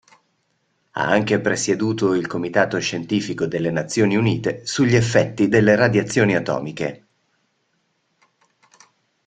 Ha anche presieduto il Comitato scientifico delle Nazioni Unite sugli effetti delle radiazioni atomiche.